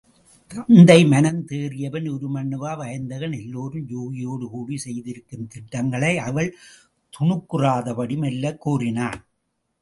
தத்தை மனந்தேறியபின் உருமண்ணுவா, வயந்தகன், எல்லோரும் யூகியோடு கூடிச் செய்திருக்கும் திட்டங்களை அவள் துணுக்குறாதபடி மெல்லக் கூறினாள்.